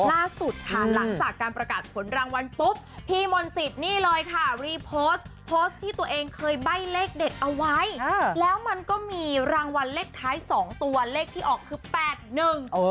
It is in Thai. ล่าสุดค่ะหลังจากการประกาศผลรางวัลปุ๊บพี่มนต์สิทธิ์นี่เลยค่ะรีโพสต์โพสต์ที่ตัวเองเคยใบ้เลขเด็ดเอาไว้แล้วมันก็มีรางวัลเลขท้ายสองตัวเลขที่ออกคือแปดหนึ่ง